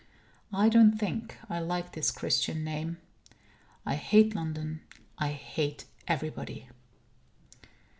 I don't think I like his Christian name. I hate London. I hate everybody.